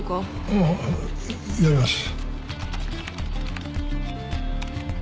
ああやります。